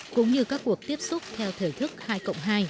cũng như các cuộc tiếp xúc theo thời thức hai cộng hai